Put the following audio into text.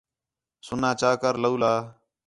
سُنّا چا کر تولا